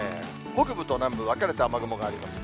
北部と南部、分かれて雨雲があります。